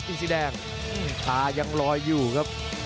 สีแดงตายังลอยอยู่ครับ